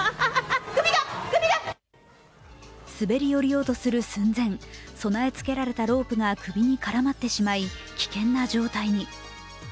滑り降りようとする寸前、備え付けられたロープが首に絡まってしまい危険な状態に。